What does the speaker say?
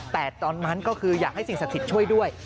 แต่ตอนนั้นก็คืออยากให้สิ่งศักดิ์สิทธิ์ช่วยด้วย